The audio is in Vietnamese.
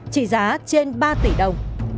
chỉ giá trên ba tỷ đồng